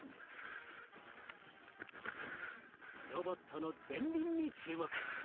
ロボットの前輪に注目。